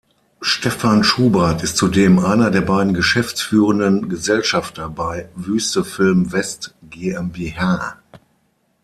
Stefan Schubert ist zudem einer der beiden Geschäftsführenden Gesellschafter bei Wüste Film West GmbH.